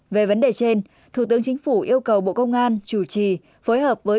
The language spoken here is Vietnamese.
về vấn đề trên thủ tướng chính phủ yêu cầu bộ công an chủ trì phối hợp với